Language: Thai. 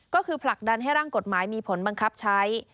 ก็คือผลักดันให้ร่างกฎหมายมีผลบังคับใช้